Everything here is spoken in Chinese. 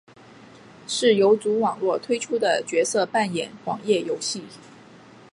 是游族网络推出的角色扮演网页游戏。